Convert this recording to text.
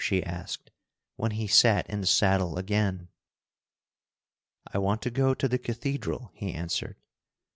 she asked when he sat in the saddle again. "I want to go to the cathedral," he answered.